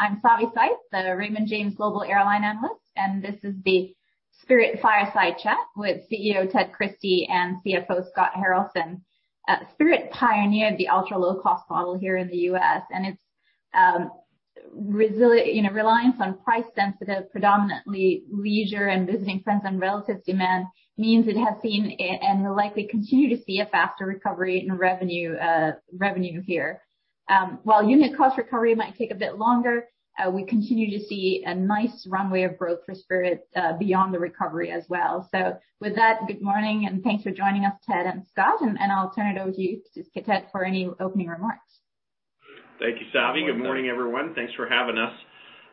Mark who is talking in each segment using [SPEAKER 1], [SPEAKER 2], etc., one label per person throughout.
[SPEAKER 1] I'm Savi Syth, the Raymond James Global Airline Analyst, and this is the Spirit Fireside Chat with CEO Ted Christie and CFO Scott Haralson. Spirit pioneered the ultra-low-cost model here in the U.S., and its reliance on price-sensitive, predominantly leisure and visiting friends and relatives demand means it has seen and will likely continue to see a faster recovery in revenue here. While unit cost recovery might take a bit longer, we continue to see a nice runway of growth for Spirit beyond the recovery as well. With that, good morning and thanks for joining us, Ted and Scott, and I'll turn it over to you to just get Ted for any opening remarks.
[SPEAKER 2] Thank you, Savi. Good morning, everyone. Thanks for having us.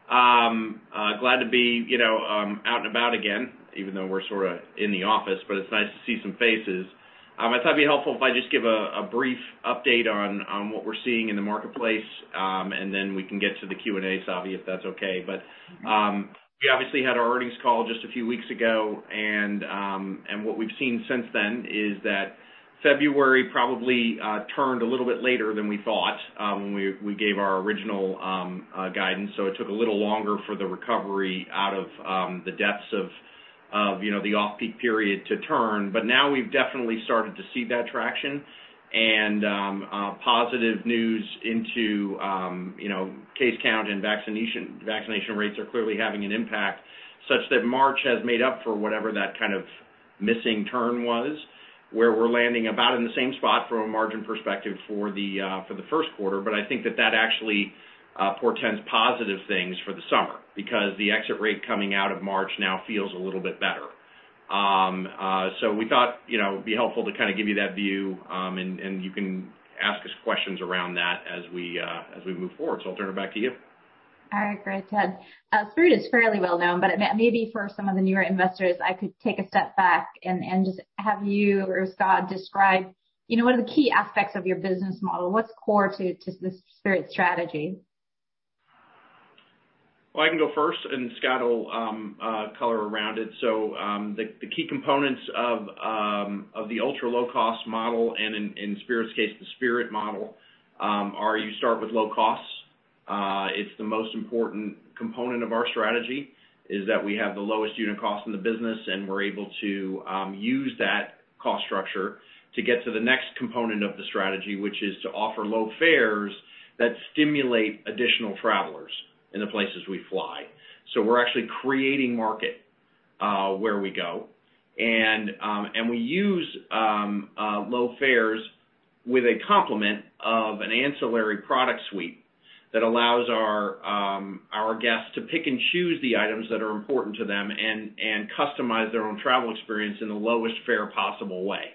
[SPEAKER 2] Glad to be, you know, out and about again, even though we're sort of in the office, but it's nice to see some faces. I thought it'd be helpful if I just give a brief update on what we're seeing in the marketplace, and then we can get to the Q&A, Savi, if that's okay. We obviously had our earnings call just a few weeks ago, and what we've seen since then is that February probably turned a little bit later than we thought when we gave our original guidance. It took a little longer for the recovery out of the depths of, you know, the off-peak period to turn. Now we've definitely started to see that traction, and positive news into, you know, case count and vaccination rates are clearly having an impact such that March has made up for whatever that kind of missing turn was, where we're landing about in the same spot from a margin perspective for the first quarter. I think that that actually portends positive things for the summer because the exit rate coming out of March now feels a little bit better. We thought, you know, it'd be helpful to kind of give you that view, and you can ask us questions around that as we move forward. I'll turn it back to you.
[SPEAKER 1] All right, great, Ted. Spirit is fairly well known, but maybe for some of the newer investors, I could take a step back and just have you or Scott describe, you know, what are the key aspects of your business model? What's core to the Spirit strategy?
[SPEAKER 2] I can go first, and Scott will color around it. The key components of the ultra-low-cost model and, in Spirit's case, the Spirit model are you start with low costs. It's the most important component of our strategy is that we have the lowest unit cost in the business, and we're able to use that cost structure to get to the next component of the strategy, which is to offer low fares that stimulate additional travelers in the places we fly. We're actually creating market where we go, and we use low fares with a complement of an ancillary product suite that allows our guests to pick and choose the items that are important to them and customize their own travel experience in the lowest fare possible way.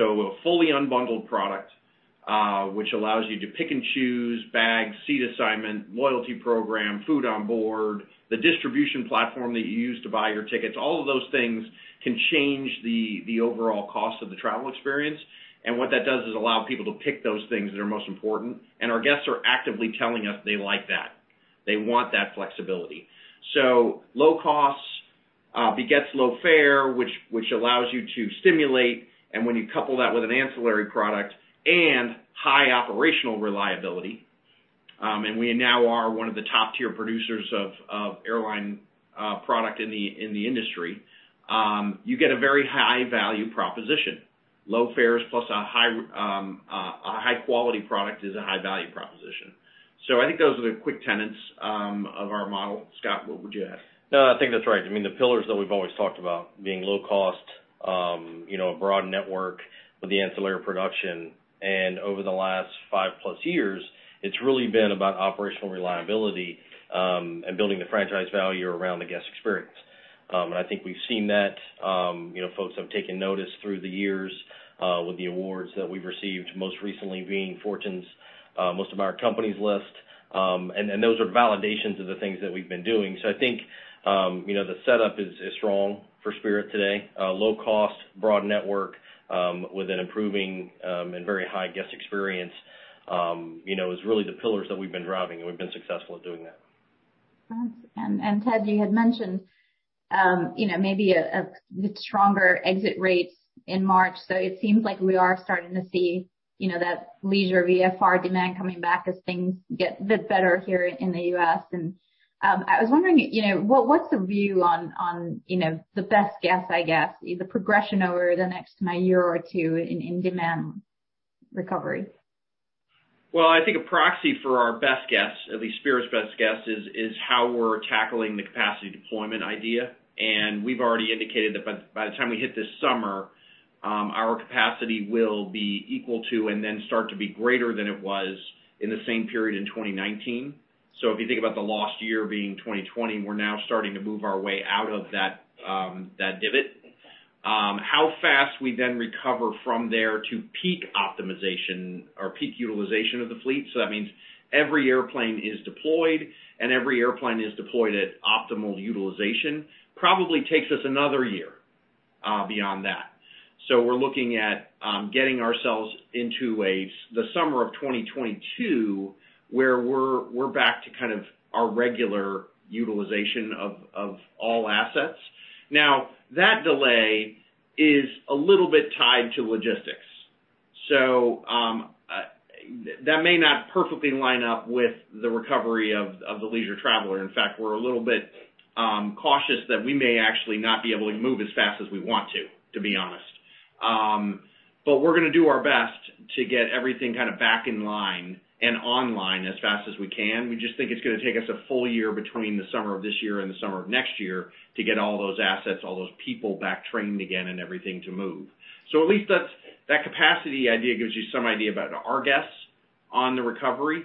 [SPEAKER 2] A fully unbundled product, which allows you to pick and choose bags, seat assignment, Loyalty Program, food on board, the distribution platform that you use to buy your tickets, all of those things can change the overall cost of the travel experience. What that does is allow people to pick those things that are most important, and our guests are actively telling us they like that. They want that flexibility. Low cost begets low fare, which allows you to stimulate, and when you couple that with an ancillary product and high operational reliability, and we now are one of the top-tier producers of airline product in the industry, you get a very high-value proposition. Low fares plus a high-quality product is a high-value proposition. I think those are the quick tenets of our model. Scott, what would you add?
[SPEAKER 3] No, I think that's right. I mean, the pillars that we've always talked about being low cost, you know, a broad network with the ancillary production, and over the last five plus years, it's really been about operational reliability and building the franchise value around the guest experience. I think we've seen that. You know, folks have taken notice through the years with the awards that we've received, most recently being Fortune's Most Admired Companies List, and those are validations of the things that we've been doing. I think, you know, the setup is strong for Spirit today. Low cost, broad network with an improving and very high guest experience, you know, is really the pillars that we've been driving, and we've been successful at doing that.
[SPEAKER 1] Ted, you had mentioned, you know, maybe stronger exit rates in March. It seems like we are starting to see, you know, that leisure VFR demand coming back as things get a bit better here in the U.S. I was wondering, you know, what's the view on, you know, the best guess, I guess, the progression over the next kind of year or two in demand recovery?
[SPEAKER 2] I think a proxy for our best guess, at least Spirit's best guess, is how we're tackling the capacity deployment idea. We've already indicated that by the time we hit this summer, our capacity will be equal to and then start to be greater than it was in the same period in 2019. If you think about the last year being 2020, we're now starting to move our way out of that divot. How fast we then recover from there to peak optimization or peak utilization of the fleet, meaning every airplane is deployed and every airplane is deployed at optimal utilization, probably takes us another year beyond that. We're looking at getting ourselves into the summer of 2022 where we're back to kind of our regular utilization of all assets. That delay is a little bit tied to logistics. That may not perfectly line up with the recovery of the leisure traveler. In fact, we're a little bit cautious that we may actually not be able to move as fast as we want to, to be honest. But we're going to do our best to get everything kind of back in line and online as fast as we can. We just think it's going to take us a full year between the summer of this year and the summer of next year to get all those assets, all those people back trained again and everything to move. At least that capacity idea gives you some idea about our guess on the recovery.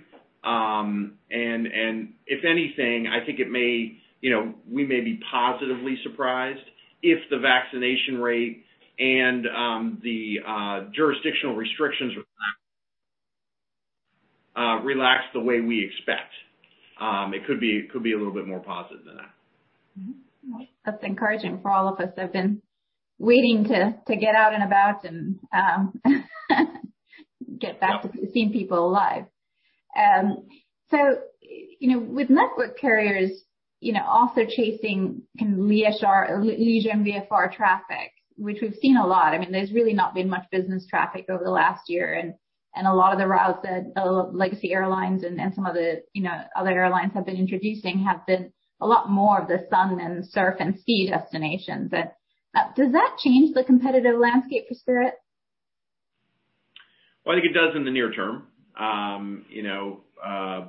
[SPEAKER 2] If anything, I think it may, you know, we may be positively surprised if the vaccination rate and the jurisdictional restrictions relax the way we expect. It could be a little bit more positive than that.
[SPEAKER 1] That's encouraging for all of us. I've been waiting to get out and about and get back to seeing people live. You know, with network carriers, you know, also chasing leisure and VFR traffic, which we've seen a lot. I mean, there's really not been much business traffic over the last year, and a lot of the routes that legacy airlines and some of the, you know, other airlines have been introducing have been a lot more of the sun and surf and ski destinations. Does that change the competitive landscape for Spirit?
[SPEAKER 2] I think it does in the near term, you know,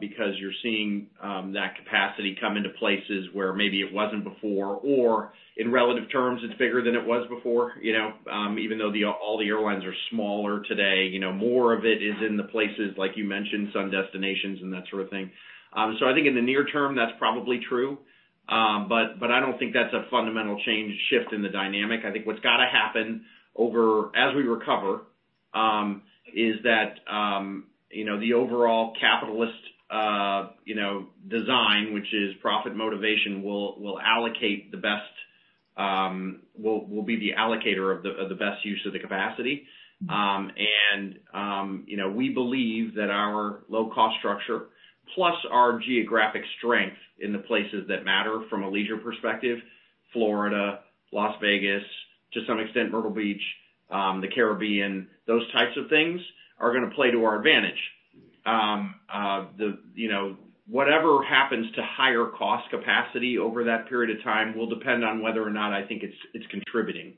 [SPEAKER 2] because you're seeing that capacity come into places where maybe it wasn't before or in relative terms, it's bigger than it was before, you know, even though all the airlines are smaller today, you know, more of it is in the places, like you mentioned, sun destinations and that sort of thing. I think in the near term, that's probably true, but I don't think that's a fundamental change shift in the dynamic. I think what's got to happen over as we recover is that, you know, the overall capitalist, you know, design, which is profit motivation, will allocate the best, will be the allocator of the best use of the capacity. You know, we believe that our low cost structure plus our geographic strength in the places that matter from a leisure perspective, Florida, Las Vegas, to some extent Myrtle Beach, the Caribbean, those types of things are going to play to our advantage. You know, whatever happens to higher cost capacity over that period of time will depend on whether or not I think it's contributing.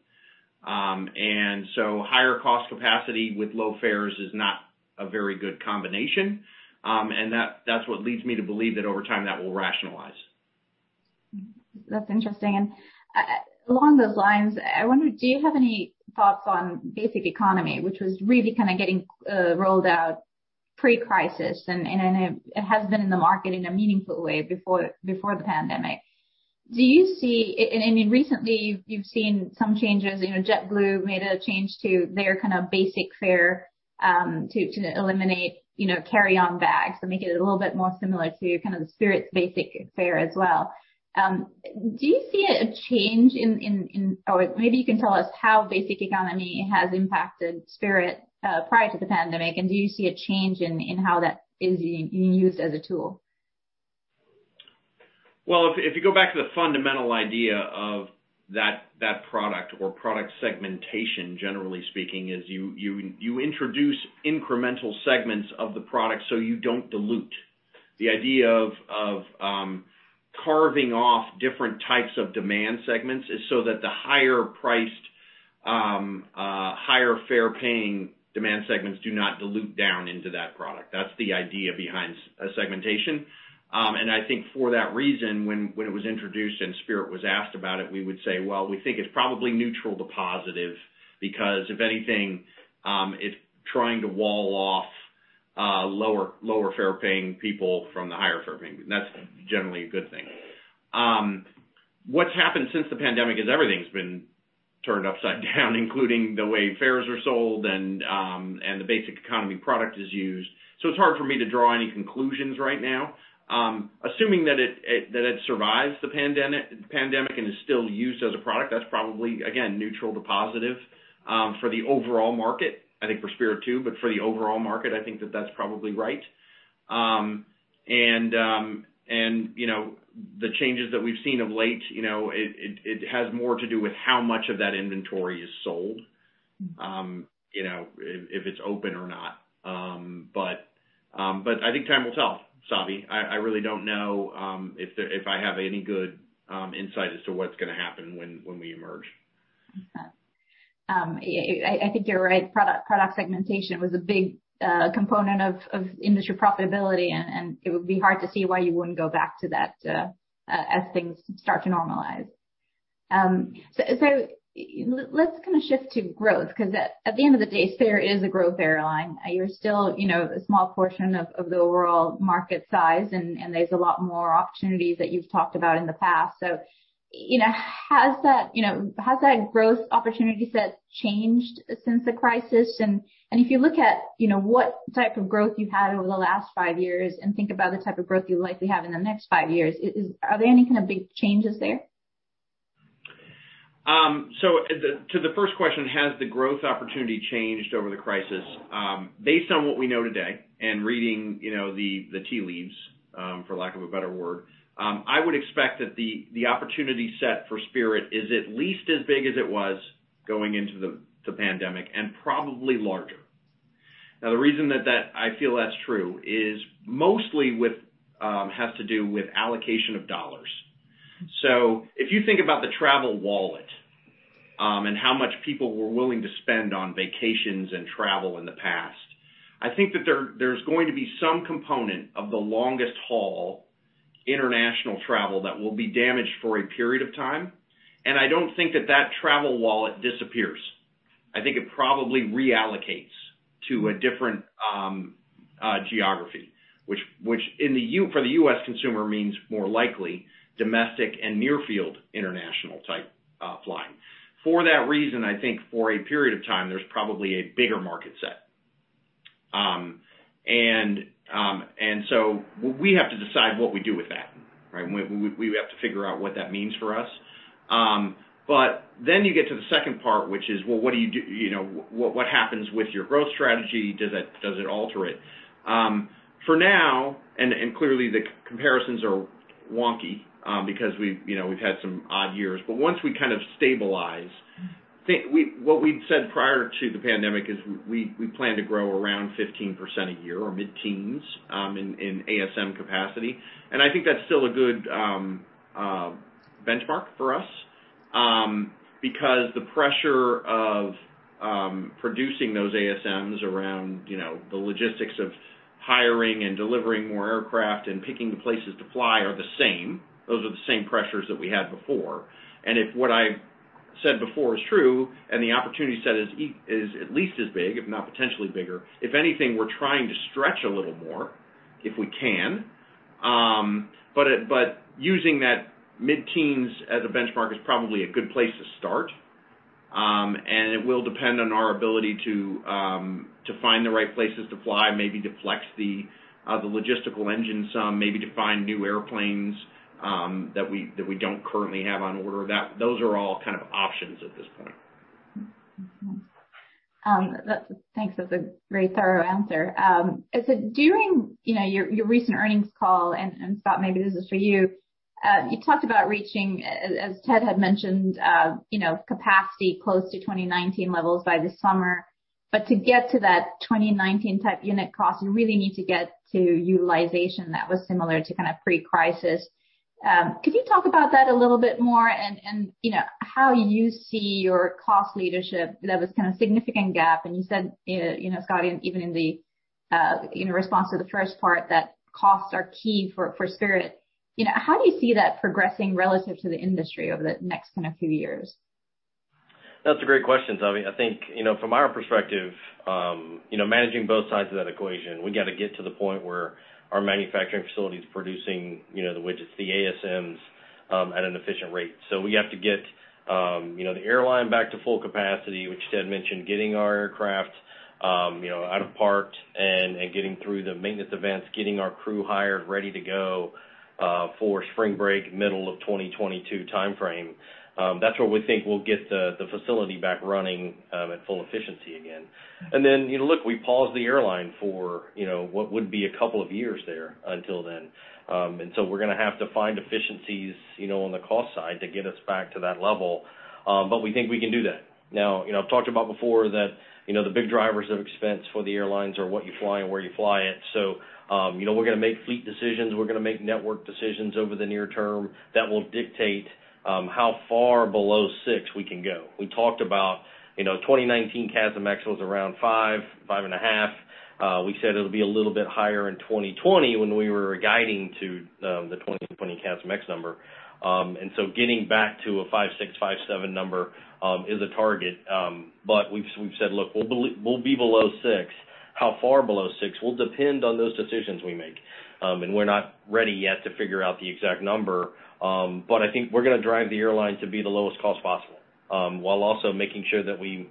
[SPEAKER 2] Higher cost capacity with low fares is not a very good combination, and that's what leads me to believe that over time that will rationalize.
[SPEAKER 1] That's interesting. Along those lines, I wonder, do you have any thoughts on basic economy, which was really kind of getting rolled out pre-crisis, and it has been in the market in a meaningful way before the pandemic? Do you see, I mean, recently you've seen some changes, you know, JetBlue made a change to their kind of basic fare to eliminate, you know, carry-on bags to make it a little bit more similar to kind of Spirit's basic fare as well. Do you see a change in, or maybe you can tell us how basic economy has impacted Spirit prior to the pandemic, and do you see a change in how that is used as a tool?
[SPEAKER 2] If you go back to the fundamental idea of that product or product segmentation, generally speaking, you introduce incremental segments of the product so you do not dilute. The idea of carving off different types of demand segments is so that the higher priced, higher fare-paying demand segments do not dilute down into that product. That is the idea behind segmentation. I think for that reason, when it was introduced and Spirit was asked about it, we would say, we think it is probably neutral to positive because if anything, it is trying to wall off lower fare paying people from the higher fare-paying. That's generally a good thing. What has happened since the pandemic is everything has been turned upside down, including the way fares are sold and the basic economy product is used. It is hard for me to draw any conclusions right now. Assuming that it survives the pandemic and is still used as a product, that's probably, again, neutral to positive for the overall market. I think for Spirit too, for the overall market, I think that that's probably right. You know, the changes that we've seen of late, you know, it has more to do with how much of that inventory is sold, you know, if it's open or not. I think time will tell, Savi. I really don't know if I have any good insight as to what's going to happen when we emerge.
[SPEAKER 1] I think you're right. Product segmentation was a big component of industry profitability, and it would be hard to see why you wouldn't go back to that as things start to normalize. Let's kind of shift to growth because at the end of the day, Spirit is a growth airline. You're still, you know, a small portion of the overall market size, and there's a lot more opportunities that you've talked about in the past. You know, has that, you know, has that growth opportunity set changed since the crisis? If you look at, you know, what type of growth you've had over the last five years and think about the type of growth you likely have in the next five years, are there any kind of big changes there?
[SPEAKER 2] To the first question, has the growth opportunity changed over the crisis? Based on what we know today and reading, you know, the tea leaves, for lack of a better word, I would expect that the opportunity set for Spirit is at least as big as it was going into the pandemic and probably larger. Now, the reason that I feel that's true is mostly has to do with allocation of dollars. If you think about the travel wallet and how much people were willing to spend on vacations and travel in the past, I think that there's going to be some component of the longest haul international travel that will be damaged for a period of time. I don't think that that travel wallet disappears. I think it probably reallocates to a different geography, which for the U.S.consumer means more likely domestic and near-field international type flying. For that reason, I think for a period of time, there's probably a bigger market set. We have to decide what we do with that, right? We have to figure out what that means for us. You get to the second part, which is, what do you do? What happens with your growth strategy? Does it alter it? For now, and clearly the comparisons are wonky because we've, you know, we've had some odd years, but once we kind of stabilize, what we'd said prior to the pandemic is we plan to grow around 15% a year or mid-teens in ASM capacity. I think that's still a good benchmark for us because the pressure of producing those ASMs around, you know, the logistics of hiring and delivering more aircraft and picking the places to fly are the same. Those are the same pressures that we had before. If what I said before is true and the opportunity set is at least as big, if not potentially bigger, if anything, we're trying to stretch a little more if we can. Using that mid-teens as a benchmark is probably a good place to start. It will depend on our ability to find the right places to fly, maybe to flex the logistical engine some, maybe to find new airplanes that we do not currently have on order. Those are all kind of options at this point.
[SPEAKER 1] Thanks. That's a very thorough answer. During your recent earnings call, and Scott, maybe this is for you, you talked about reaching, as Ted had mentioned, capacity close to 2019 levels by the summer. To get to that 2019 type unit cost, you really need to get to utilization that was similar to kind of pre-crisis. Could you talk about that a little bit more and how you see your cost leadership? That was kind of a significant gap. You said, Scott, even in the response to the first part that costs are key for Spirit. How do you see that progressing relative to the industry over the next few years?
[SPEAKER 3] That's a great question, Savi. I think, you know, from our perspective, you know, managing both sides of that equation, we got to get to the point where our manufacturing facility is producing, you know, the widgets, the ASMs at an efficient rate. We have to get, you know, the airline back to full capacity, which Ted mentioned, getting our aircraft, you know, out of parked and getting through the maintenance events, getting our crew hired, ready to go for spring break, middle of 2022 timeframe. That's where we think we'll get the facility back running at full efficiency again. You know, look, we paused the airline for, you know, what would be a couple of years there until then. We are going to have to find efficiencies, you know, on the cost side to get us back to that level. We think we can do that. You know, I've talked about before that, you know, the big drivers of expense for the airlines are what you fly and where you fly it. You know, we're going to make fleet decisions. We're going to make network decisions over the near term that will dictate how far below six we can go. We talked about, you know, 2019 CASM ex-fuel was around five, five and a half. We said it'll be a little bit higher in 2020 when we were guiding to the 2020 CASM ex-fuel number. Getting back to a five, six, five, seven number is a target. We've said, look, we'll be below six. How far below six will depend on those decisions we make. We're not ready yet to figure out the exact number. I think we're going to drive the airline to be the lowest cost possible while also making sure that we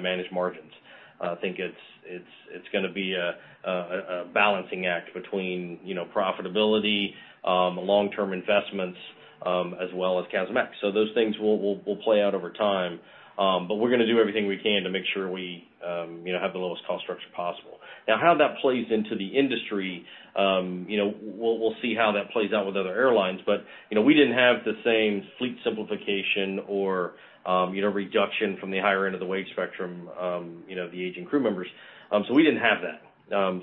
[SPEAKER 3] manage margins. I think it's going to be a balancing act between, you know, profitability, long-term investments, as well as CASM ex-fuel. Those things will play out over time. We're going to do everything we can to make sure we, you know, have the lowest cost structure possible. Now, how that plays into the industry, you know, we'll see how that plays out with other airlines. You know, we didn't have the same fleet simplification or, you know, reduction from the higher end of the wage spectrum, you know, the aging crew members. We didn't have that.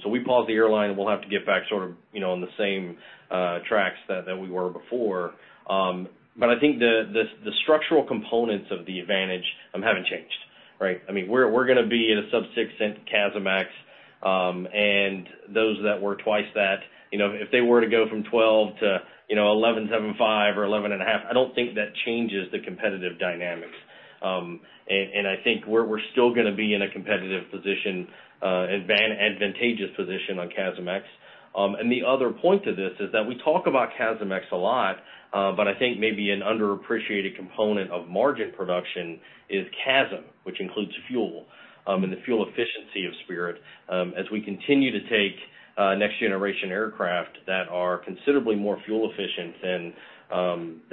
[SPEAKER 3] We paused the airline and we'll have to get back sort of, you know, on the same tracks that we were before. I think the structural components of the advantage haven't changed, right? I mean, we're going to be at a sub-six CASM ex-fuel. And those that were twice that, you know, if they were to go from 12 to, you know, 11.75 or 11.5, I don't think that changes the competitive dynamics. I think we're still going to be in a competitive position, an advantageous position on CASM ex-fuel. The other point to this is that we talk about CASM ex-fuel a lot, but I think maybe an underappreciated component of margin production is CASM, which includes fuel and the fuel efficiency of Spirit. As we continue to take next generation aircraft that are considerably more fuel efficient than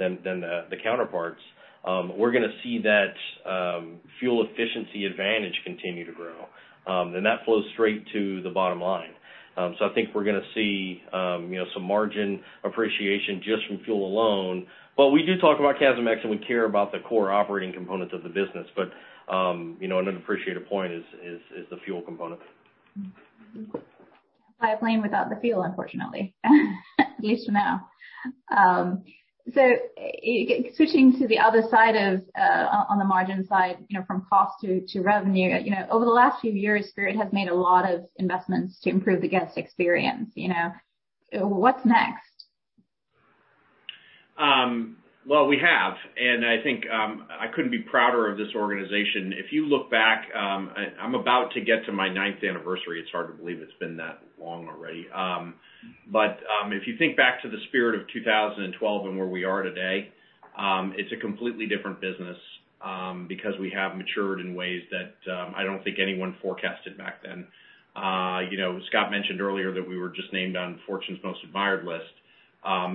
[SPEAKER 3] the counterparts, we're going to see that fuel efficiency advantage continue to grow. That flows straight to the bottom line. I think we're going to see, you know, some margin appreciation just from fuel alone. We do talk about CASM ex-fuel and we care about the core operating components of the business. You know, an underappreciated point is the fuel component.
[SPEAKER 1] Fly a plane without the fuel, unfortunately, at least for now. Switching to the other side of on the margin side, you know, from cost to revenue, you know, over the last few years, Spirit has made a lot of investments to improve the guest experience. You know, what's next?
[SPEAKER 2] I think I could not be prouder of this organization. If you look back, I am about to get to my ninth anniversary. It is hard to believe it has been that long already. If you think back to the Spirit of 2012 and where we are today, it is a completely different business because we have matured in ways that I do not think anyone forecasted back then. You know, Scott mentioned earlier that we were just named on Fortune's Most Admired list.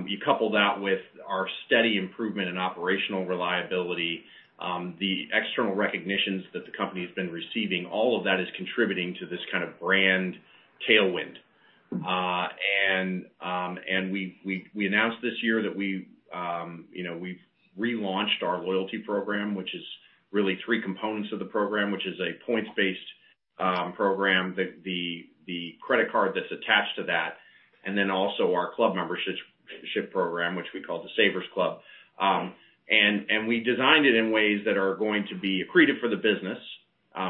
[SPEAKER 2] You couple that with our steady improvement in operational reliability, the external recognitions that the company has been receiving, all of that is contributing to this kind of brand tailwind. We announced this year that we, you know, we've relaunched our Loyalty Program, which is really three components of the program, which is a points-based program, the Credit Card that's attached to that, and then also our Club Membership Program, which we call the Savers Club. We designed it in ways that are going to be accretive for the business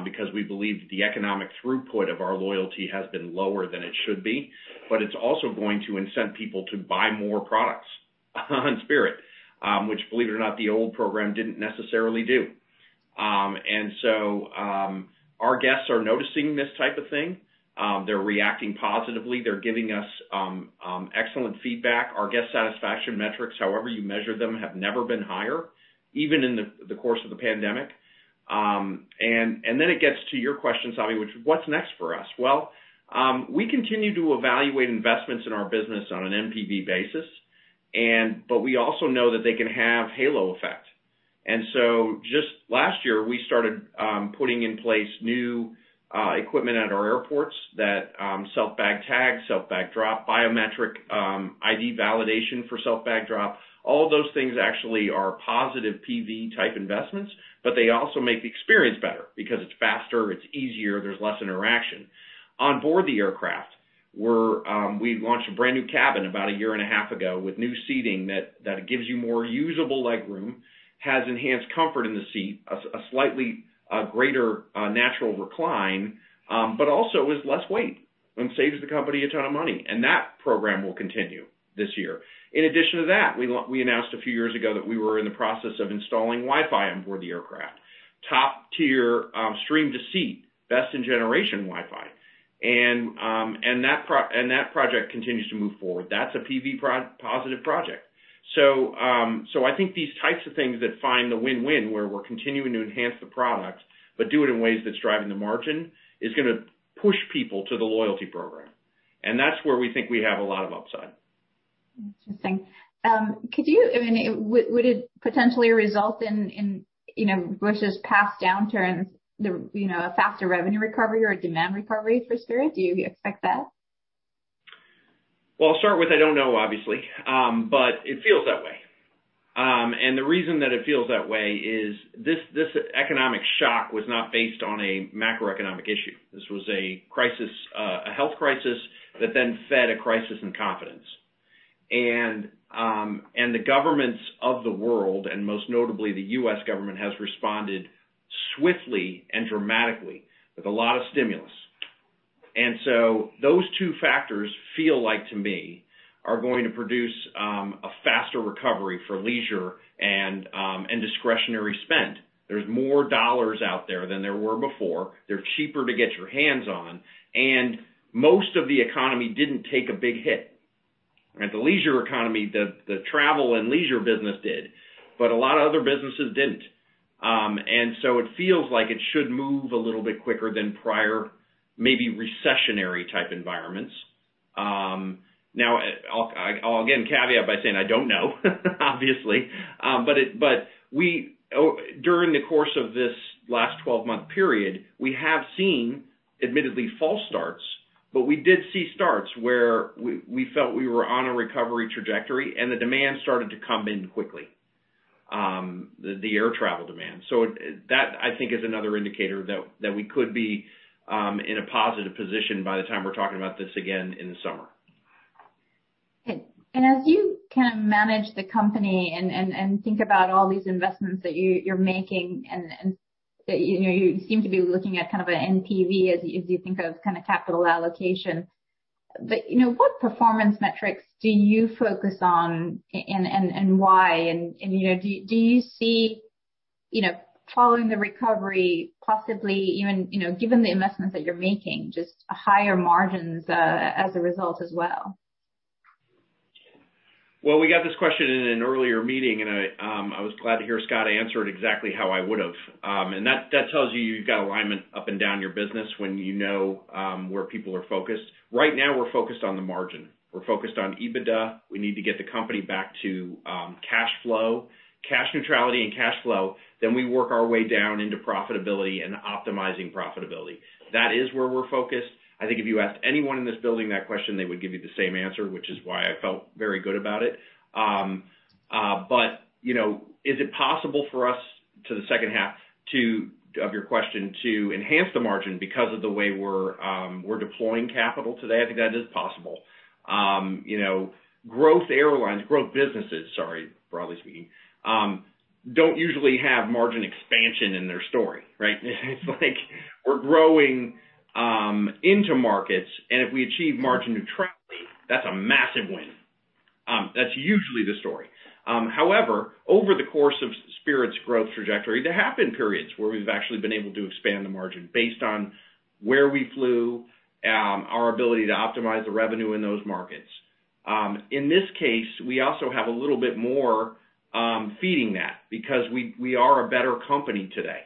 [SPEAKER 2] because we believe the economic throughput of our loyalty has been lower than it should be. It is also going to incent people to buy more products on Spirit, which, believe it or not, the old program did not necessarily do. Our guests are noticing this type of thing. They are reacting positively. They are giving us excellent feedback. Our guest satisfaction metrics, however you measure them, have never been higher, even in the course of the pandemic. It gets to your question, Savi, which is what's next for us? We continue to evaluate investments in our business on an NPV basis. We also know that they can have halo effect. Just last year, we started putting in place new equipment at our airports that Self-bag tag, Self-bag drop, Biometric ID validation for Self-bag drop. All those things actually are positive NPV type investments, but they also make the experience better because it's faster, it's easier, there's less interaction. On board the aircraft, we launched a brand new cabin about a year and a half ago with new seating that gives you more usable leg room, has enhanced comfort in the seat, a slightly greater natural recline, but also is less weight and saves the company a ton of money. That program will continue this year. In addition to that, we announced a few years ago that we were in the process of installing Wi-Fi on board the aircraft, top tier stream to seat, best in generation Wi-Fi. That project continues to move forward. That is a PV positive project. I think these types of things that find the win-win where we are continuing to enhance the product, but do it in ways that are driving the margin is going to push people to the Loyalty Program. That is where we think we have a lot of upside.
[SPEAKER 1] Interesting. Could you, I mean, would it potentially result in, you know, versus past downturns, you know, a faster revenue recovery or a demand recovery for Spirit? Do you expect that?
[SPEAKER 2] I will start with I do not know, obviously, but it feels that way. The reason that it feels that way is this economic shock was not based on a macroeconomic issue. This was a crisis, a health crisis that then fed a crisis in confidence. The governments of the world, and most notably the U.S. government, have responded swiftly and dramatically with a lot of stimulus. Those two factors feel like to me are going to produce a faster recovery for leisure and discretionary spend. There is more dollars out there than there were before. They are cheaper to get your hands on. Most of the economy did not take a big hit. The leisure economy, the travel and leisure business did, but a lot of other businesses did not. It feels like it should move a little bit quicker than prior maybe recessionary type environments. Now, I'll again caveat by saying I don't know, obviously. During the course of this last 12-month period, we have seen admittedly false starts, but we did see starts where we felt we were on a recovery trajectory and the demand started to come in quickly, the air travel demand. That I think is another indicator that we could be in a positive position by the time we're talking about this again in the summer.
[SPEAKER 1] As you kind of manage the company and think about all these investments that you're making and, you know, you seem to be looking at kind of an NPV as you think of kind of capital allocation, but, you know, what performance metrics do you focus on and why? You know, do you see, you know, following the recovery, possibly even, you know, given the investments that you're making, just higher margins as a result as well?
[SPEAKER 2] We got this question in an earlier meeting and I was glad to hear Scott answer it exactly how I would have. That tells you have got alignment up and down your business when you know where people are focused. Right now, we are focused on the margin. We are focused on EBITDA. We need to get the company back to cash flow, cash neutrality and cash flow. We work our way down into profitability and optimizing profitability. That is where we are focused. I think if you asked anyone in this building that question, they would give you the same answer, which is why I felt very good about it. You know, is it possible for us, to the second half of your question, to enhance the margin because of the way we are deploying capital today? I think that is possible. You know, growth airlines, growth businesses, sorry, broadly speaking, do not usually have margin expansion in their story, right? It is like we are growing into markets. And if we achieve margin neutrality, that is a massive win. That is usually the story. However, over the course of Spirit's growth trajectory, there have been periods where we have actually been able to expand the margin based on where we flew, our ability to optimize the revenue in those markets. In this case, we also have a little bit more feeding that because we are a better company today.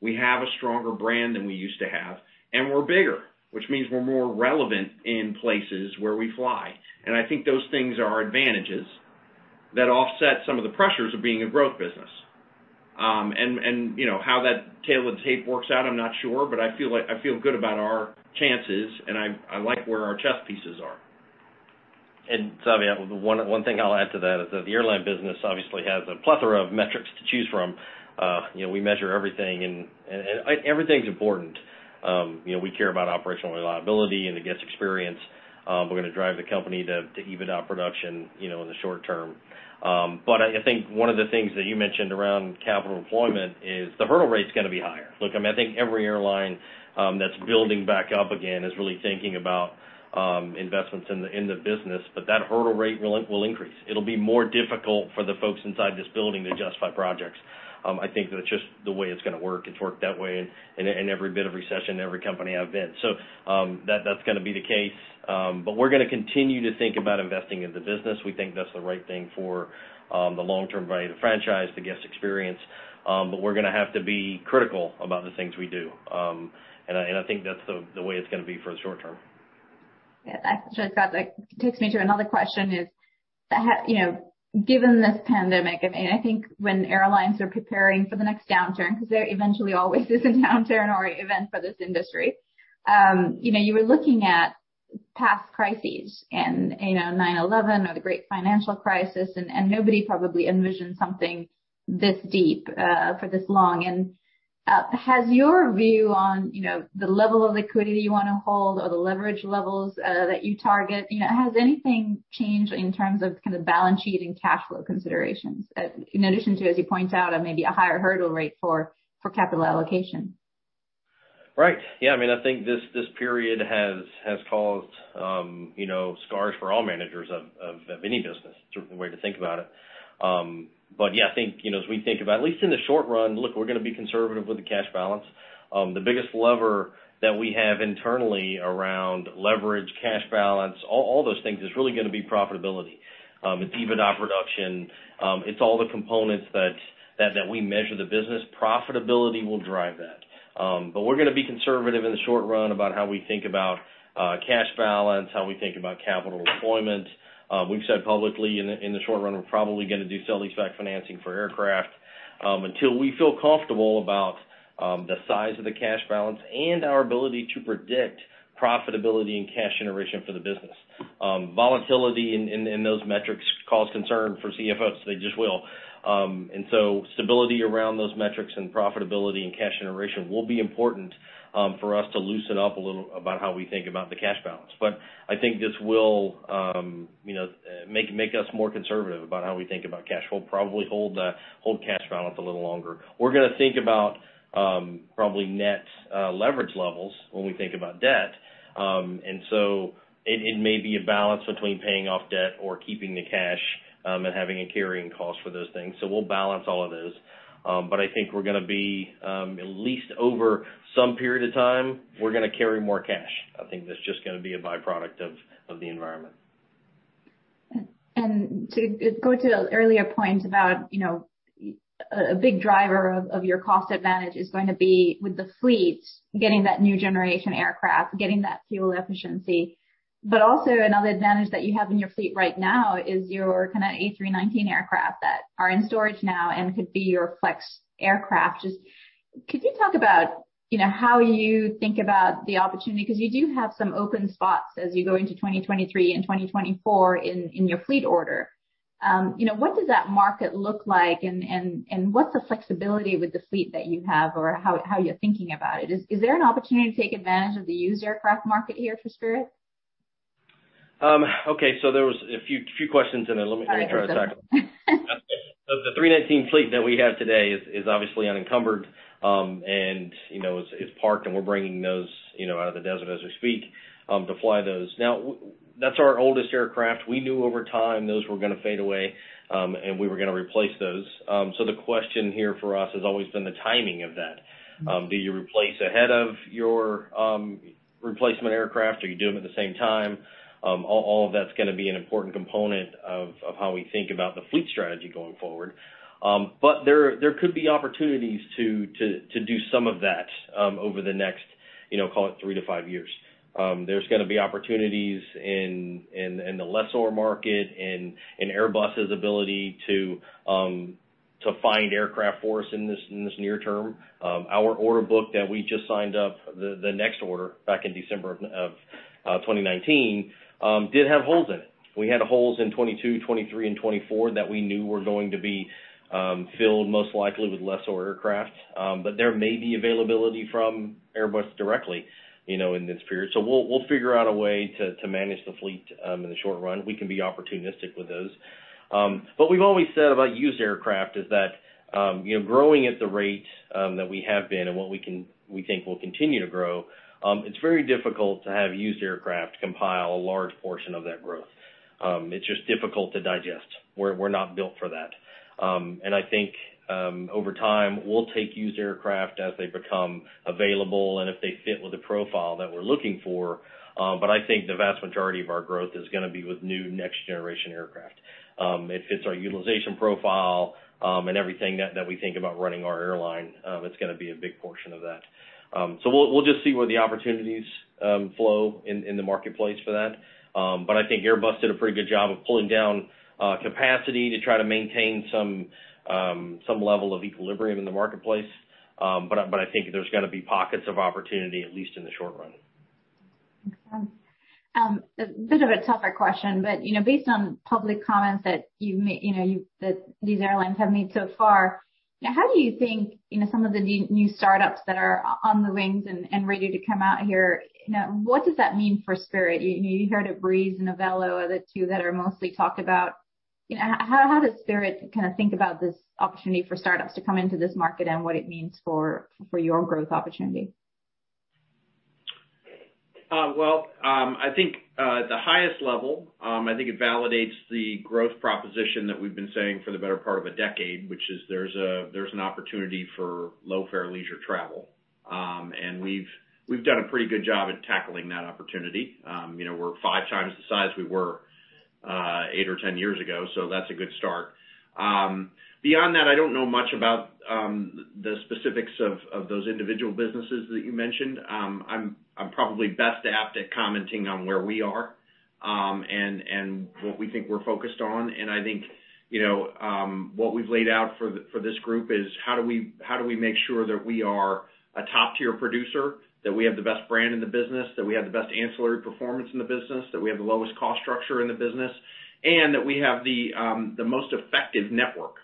[SPEAKER 2] We have a stronger brand than we used to have. And we are bigger, which means we are more relevant in places where we fly. I think those things are advantages that offset some of the pressures of being a growth business. You know, how that tailored tape works out, I'm not sure, but I feel good about our chances and I like where our chess pieces are.
[SPEAKER 3] Savi, one thing I'll add to that is that the airline business obviously has a plethora of metrics to choose from. You know, we measure everything and everything's important. You know, we care about operational reliability and the guest experience. We're going to drive the company to EBITDA production, you know, in the short term. I think one of the things that you mentioned around capital deployment is the hurdle rate's going to be higher. Look, I mean, I think every airline that's building back up again is really thinking about investments in the business, but that hurdle rate will increase. It'll be more difficult for the folks inside this building to justify projects. I think that's just the way it's going to work. It's worked that way in every bit of recession, every company I've been. That's going to be the case. We are going to continue to think about investing in the business. We think that is the right thing for the long-term value of the franchise, the guest experience. We are going to have to be critical about the things we do. I think that is the way it is going to be for the short-term.
[SPEAKER 1] That actually takes me to another question is, you know, given this pandemic, I think when airlines are preparing for the next downturn, because there eventually always is a downturn or event for this industry, you know, you were looking at past crises and, you know, 9/11 or the great financial crisis, and nobody probably envisioned something this deep for this long. Has your view on, you know, the level of liquidity you want to hold or the leverage levels that you target, you know, has anything changed in terms of kind of balance sheet and cash flow considerations in addition to, as you point out, maybe a higher hurdle rate for capital allocation?
[SPEAKER 2] Right. Yeah. I mean, I think this period has caused, you know, scars for all managers of any business, certainly the way to think about it. Yeah, I think, you know, as we think about, at least in the short run, look, we're going to be conservative with the cash balance. The biggest lever that we have internally around leverage, cash balance, all those things is really going to be profitability. It's EBITDA production. It's all the components that we measure the business. Profitability will drive that. We're going to be conservative in the short run about how we think about cash balance, how we think about capital deployment. We've said publicly in the short-run we're probably going to do sale-leaseback financing for aircraft until we feel comfortable about the size of the cash balance and our ability to predict profitability and cash generation for the business. Volatility in those metrics cause concern for CFOs. They just will. Stability around those metrics and profitability and cash generation will be important for us to loosen up a little about how we think about the cash balance. I think this will, you know, make us more conservative about how we think about cash. We'll probably hold cash balance a little longer. We're going to think about probably net leverage levels when we think about debt. It may be a balance between paying off debt or keeping the cash and having a carrying cost for those things. We'll balance all of those. I think we're going to be at least over some period of time, we're going to carry more cash. I think that's just going to be a byproduct of the environment.
[SPEAKER 1] To go to the earlier point about, you know, a big driver of your cost advantage is going to be with the fleet, getting that new generation aircraft, getting that fuel efficiency. Also, another advantage that you have in your fleet right now is your kind of A319 aircraft that are in storage now and could be your flex aircraft. Just could you talk about, you know, how you think about the opportunity? Because you do have some open spots as you go into 2023 and 2024 in your fleet order. You know, what does that market look like and what's the flexibility with the fleet that you have or how you're thinking about it? Is there an opportunity to take advantage of the used aircraft market here for Spirit?
[SPEAKER 2] Okay. There was a few questions in there. Let me try to tackle them. The A319 fleet that we have today is obviously unencumbered and, you know, is parked and we're bringing those, you know, out of the desert as we speak to fly those. Now, that's our oldest aircraft. We knew over time those were going to fade away and we were going to replace those. The question here for us has always been the timing of that. Do you replace ahead of your replacement aircraft? Are you doing them at the same time? All of that's going to be an important component of how we think about the fleet strategy going forward. There could be opportunities to do some of that over the next, you know, call it three to five years. There is going to be opportunities in the lessor market and Airbus's ability to find aircraft for us in this near term. Our order book that we just signed up, the next order back in December of 2019, did have holes in it. We had holes in 2022, 2023, and 2024 that we knew were going to be filled most likely with lessor aircraft. There may be availability from Airbus directly, you know, in this period. We will figure out a way to manage the fleet in the short run. We can be opportunistic with those. We have always said about used aircraft is that, you know, growing at the rate that we have been and what we think will continue to grow, it is very difficult to have used aircraft compile a large portion of that growth. It is just difficult to digest. We are not built for that. I think over time we'll take used aircraft as they become available and if they fit with the profile that we're looking for. I think the vast majority of our growth is going to be with new next generation aircraft. It fits our utilization profile and everything that we think about running our airline. It's going to be a big portion of that. We'll just see where the opportunities flow in the marketplace for that. I think Airbus did a pretty good job of pulling down capacity to try to maintain some level of equilibrium in the marketplace. I think there's going to be pockets of opportunity at least in the short run.
[SPEAKER 1] A bit of a tougher question, but, you know, based on public comments that you've, you know, that these airlines have made so far, how do you think, you know, some of the new startups that are on the wings and ready to come out here, you know, what does that mean for Spirit? You heard of Breeze Airways and Avelo Airlines, the two that are mostly talked about. You know, how does Spirit kind of think about this opportunity for startups to come into this market and what it means for your growth opportunity?
[SPEAKER 2] I think at the highest level, I think it validates the growth proposition that we've been saying for the better part of a decade, which is there's an opportunity for low fare leisure travel. And we've done a pretty good job at tackling that opportunity. You know, we're five times the size we were eight or ten years ago. So that's a good start. Beyond that, I don't know much about the specifics of those individual businesses that you mentioned. I'm probably best apt at commenting on where we are and what we think we're focused on. I think, you know, what we've laid out for this group is how do we make sure that we are a top-tier producer, that we have the best brand in the business, that we have the best ancillary performance in the business, that we have the lowest cost structure in the business, and that we have the most effective network.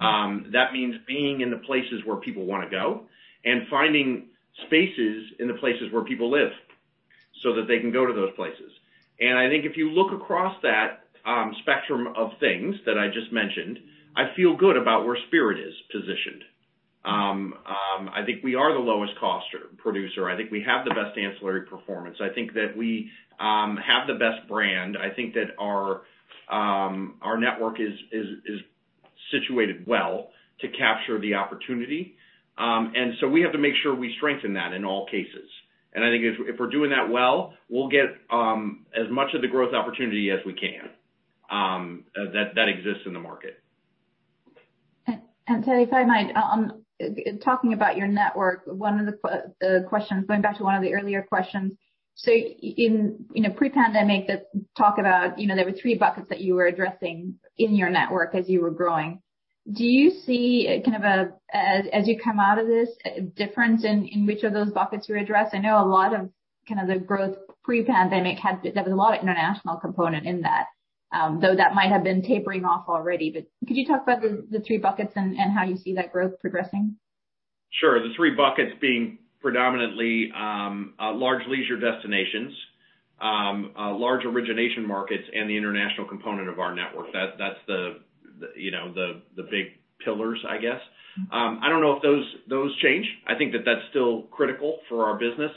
[SPEAKER 2] That means being in the places where people want to go and finding spaces in the places where people live so that they can go to those places. I think if you look across that spectrum of things that I just mentioned, I feel good about where Spirit is positioned. I think we are the lowest cost producer. I think we have the best ancillary performance. I think that we have the best brand. I think that our network is situated well to capture the opportunity. We have to make sure we strengthen that in all cases. I think if we're doing that well, we'll get as much of the growth opportunity as we can that exists in the market.
[SPEAKER 1] If I might, talking about your network, one of the questions going back to one of the earlier question. In, you know, pre-pandemic, that talk about, you know, there were three buckets that you were addressing in your network as you were growing. Do you see kind of a, as you come out of this, a difference in which of those buckets you address? I know a lot of kind of the growth pre-pandemic, there was a lot of international components in that, though that might have been tapering off already. Could you talk about the three buckets and how you see that growth progressing?
[SPEAKER 2] Sure. The three buckets being predominantly large leisure destinations, large origination markets, and the international component of our network. That's the, you know, the big pillars, I guess. I don't know if those change. I think that that's still critical for our business.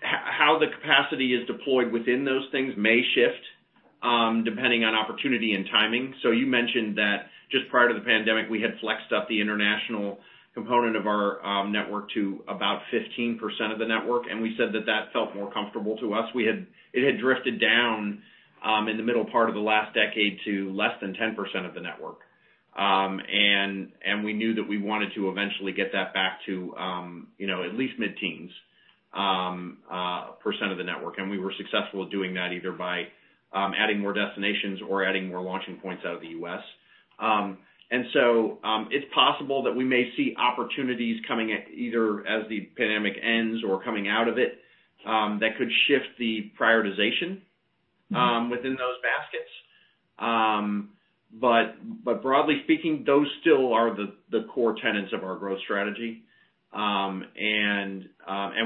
[SPEAKER 2] How the capacity is deployed within those things may shift depending on opportunity and timing. You mentioned that just prior to the pandemic, we had flexed up the international component of our network to about 15% of the network. We said that that felt more comfortable to us. It had drifted down in the middle part of the last decade to less than 10% of the network. We knew that we wanted to eventually get that back to, you know, at least mid-teens % of the network. We were successful at doing that either by adding more destinations or adding more launching points out of the U.S. It is possible that we may see opportunities coming either as the pandemic ends or coming out of it that could shift the prioritization within those baskets. Broadly speaking, those still are the core tenets of our growth strategy.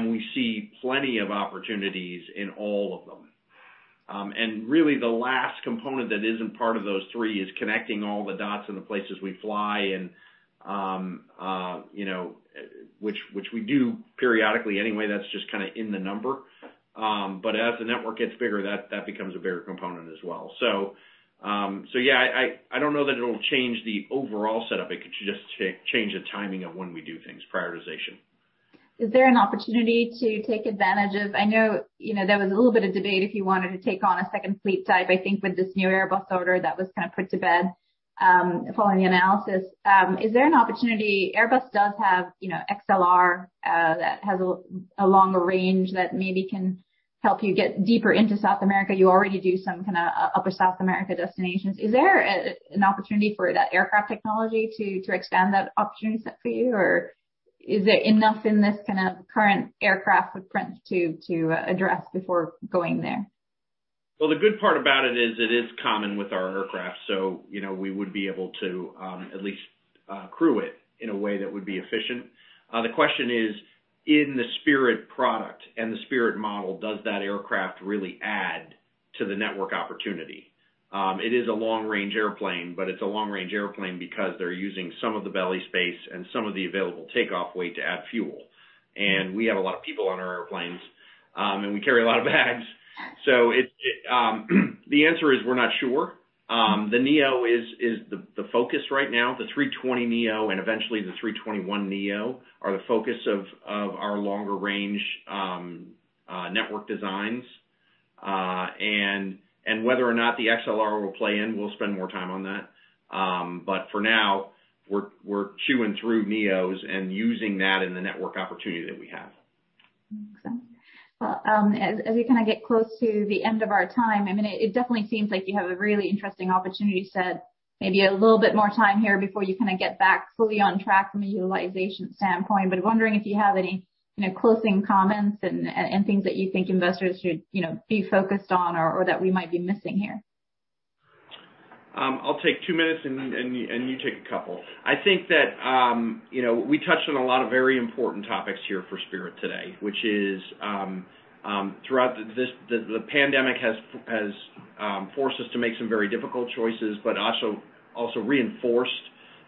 [SPEAKER 2] We see plenty of opportunities in all of them. Really the last component that is not part of those three is connecting all the dots in the places we fly and, you know, which we do periodically anyway. That is just kind of in the number. As the network gets bigger, that becomes a bigger component as well. I do not know that it will change the overall setup. It could just change the timing of when we do things, prioritization.
[SPEAKER 1] Is there an opportunity to take advantage of, I know there was a little bit of debate if you wanted to take on a second fleet type, I think with this new Airbus order that was kind of put to bed following the analysis. Is there an opportunity? Airbus does have, you know, XLR that has a longer range that maybe can help you get deeper into South America. You already do some kind of upper South America destinations. Is there an opportunity for that aircraft technology to expand that opportunity set for you? Or is there enough in this kind of current aircraft footprint to address before going there?
[SPEAKER 2] The good part about it is it is common with our aircraft. So, you know, we would be able to at least crew it in a way that would be efficient. The question is, in the Spirit product and the Spirit model, does that aircraft really add to the network opportunity? It is a long-range airplane, but it's a long-range airplane because they're using some of the belly space and some of the available takeoff weight to add fuel. And we have a lot of people on our airplanes, and we carry a lot of bags. The answer is we're not sure. The Neo is the focus right now. The A320neo and eventually the A321neo are the focus of our longer-range network designs. Whether or not the XLR will play in, we'll spend more time on that. For now, we're chewing through Neos and using that in the network opportunity that we have.
[SPEAKER 1] As we kind of get close to the end of our time, I mean, it definitely seems like you have a really interesting opportunity. You said maybe a little bit more time here before you kind of get back fully on track from a utilization standpoint. I am wondering if you have any, you know, closing comments and things that you think investors should, you know, be focused on or that we might be missing here.
[SPEAKER 2] I'll take two minutes, and you take a couple. I think that, you know, we touched on a lot of very important topics here for Spirit today, which is throughout the pandemic has forced us to make some very difficult choices, but also reinforced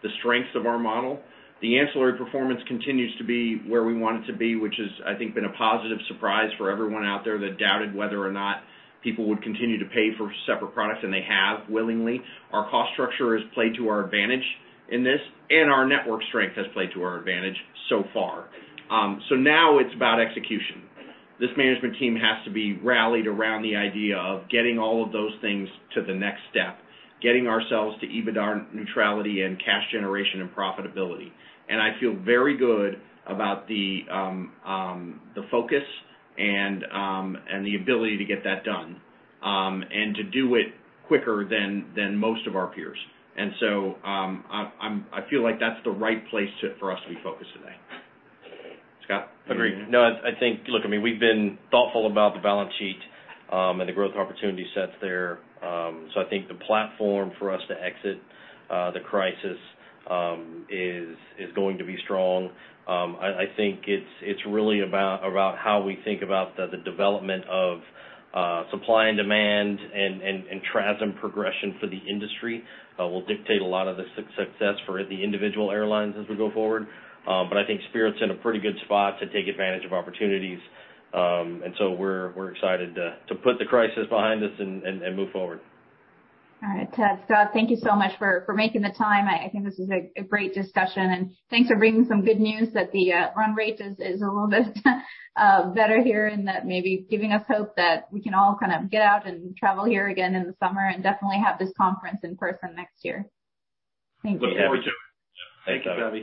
[SPEAKER 2] the strengths of our model. The ancillary performance continues to be where we want it to be, which has I think been a positive surprise for everyone out there that doubted whether or not people would continue to pay for separate products and they have willingly. Our cost structure has played to our advantage in this, and our network strength has played to our advantage so far. Now it's about execution. This management team has to be rallied around the idea of getting all of those things to the next step, getting ourselves to EBITDA neutrality and cash generation and profitability. I feel very good about the focus and the ability to get that done and to do it quicker than most of our peers. I feel like that's the right place for us to be focused today. Scott.
[SPEAKER 3] Agreed. No, I think, look, I mean, we've been thoughtful about the balance sheet, and the growth opportunity sets there. I think the platform for us to exit the crisis is going to be strong. I think it's really about how we think about the development of supply and demand and trends and progression for the industry will dictate a lot of the success for the individual airlines as we go forward. I think Spirit's in a pretty good spot to take advantage of opportunities. We are excited to put the crisis behind us and move forward.
[SPEAKER 1] All right. Ted, Scott, thank you so much for making the time. I think this is a great discussion. Thank you for bringing some good news that the run rate is a little bit better here and that maybe giving us hope that we can all kind of get out and travel here again in the summer and definitely have this conference in person next year. Thank you.
[SPEAKER 2] Look forward to it.
[SPEAKER 3] Thank you Savi.